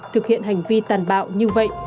thực hiện hành vi tàn bạo như vậy